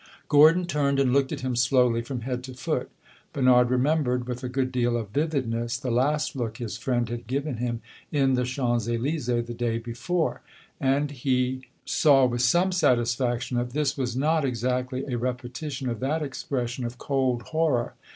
Gordon turned and looked at him slowly from head to foot. Bernard remembered, with a good deal of vividness, the last look his friend had given him in the Champs Elysees the day before; and he saw with some satisfaction that this was not exactly a repetition of that expression of cold horror.